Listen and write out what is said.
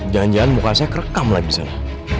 jangan jangan muka saya kerekam lagi saya